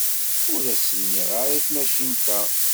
Ur as-ssineɣ ara i tmacint-a.